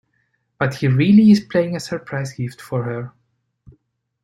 But he really is planning a surprise gift for her.